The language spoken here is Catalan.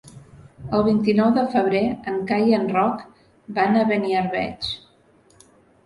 El vint-i-nou de febrer en Cai i en Roc van a Beniarbeig.